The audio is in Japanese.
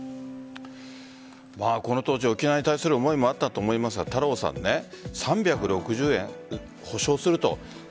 この当時、沖縄に対する思いもあったと思いますが３６０円、保証すると。